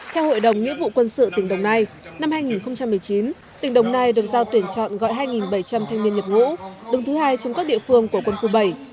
theo hội đồng nghĩa vụ quân sự tỉnh đồng nai năm hai nghìn một mươi chín tỉnh đồng nai được giao tuyển chọn gọi hai bảy trăm linh thanh niên nhập ngũ đứng thứ hai trong các địa phương của quân khu bảy